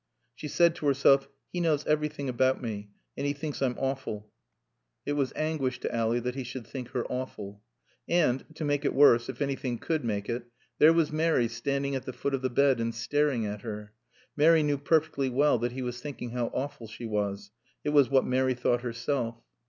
She said to herself, "He knows everything about me and he thinks I'm awful." It was anguish to Ally that he should think her awful. And (to make it worse, if anything could make it) there was Mary standing at the foot of the bed and staring at her. Mary knew perfectly well that he was thinking how awful she was. It was what Mary thought herself.